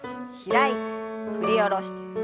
開いて振り下ろして。